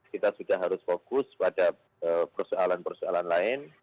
kita sudah harus fokus pada persoalan persoalan lain